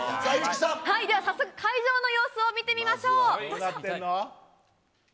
さあ、早速、会場の様子を見てみましょう、どうぞ。